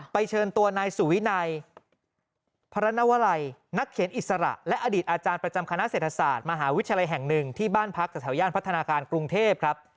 เชิญตัวนายสุวินัยพระนวลัยนักเขียนอิสระและอดีตอาจารย์ประจำคณะเศรษฐศาสตร์มหาวิทยาลัยแห่งหนึ่งที่บ้านพักจากแถวย่านพัฒนาการกรุงเทพครับ